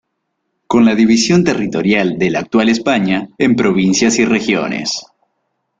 Con la división territorial de la actual España en provincias y regiones.